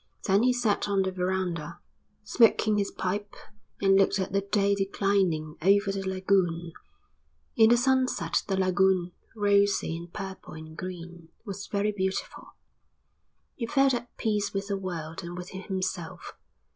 Then he sat on the verandah, smoking his pipe, and looked at the day declining over the lagoon. In the sunset the lagoon, rosy and purple and green, was very beautiful. He felt at peace with the world and with himself.